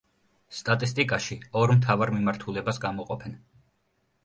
სტატისტიკაში ორ მთავარ მიმართულებას გამოყოფენ.